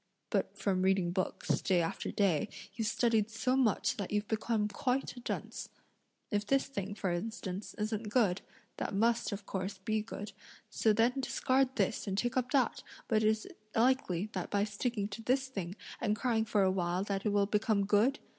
But from reading books, day after day, you've studied so much that you've become quite a dunce. If this thing, for instance, isn't good, that must, of course, be good, so then discard this and take up that, but is it likely that by sticking to this thing and crying for a while that it will become good?